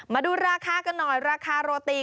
มาดูราคาก็นายราคารโรตี